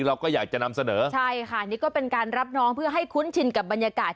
อันนี้ก็เป็นการรับน้องเพื่อให้คุ้นชินกับบรรยากาศ